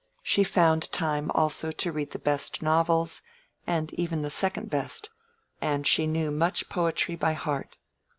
She found time also to read the best novels, and even the second best, and she knew much poetry by heart.